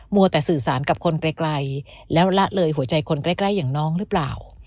วัวแต่สื่อสารกับคนไกลแล้วละเลยหัวใจคนใกล้อย่างน้องหรือเปล่า